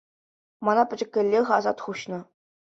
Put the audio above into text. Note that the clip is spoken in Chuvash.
Мана пӗчӗккӗлех асат хуҫнӑ.